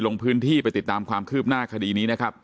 ลงพื้นที่ไปติดตามความคืบหน้าคดีนี้นะครับ